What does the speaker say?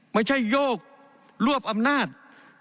ไม่ใช่โยกรวบอำนาจ